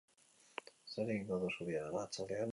Zer egingo duzu bihar arratsaldean?